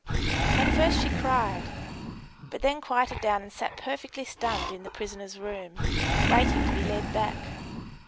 At first she cried, but then quieted down and sat perfectly stunned in the prisoners' room, waiting to be led back.